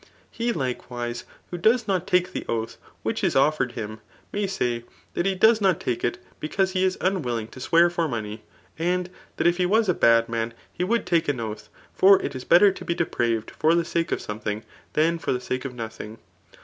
[He Ukewise who does not tak* tlw oath which is c^ered him, may say] that he does not take it, because he is unwilling to swear for money ; and (hat if he was a bad man h^ would take an oath ; Ibr it is better to be depraved for the sake of something dian for the sake of nothing.